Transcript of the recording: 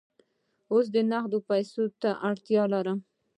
اوس نغدو پیسو ته اړتیا لرم.